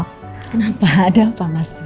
kenapa ada apa mas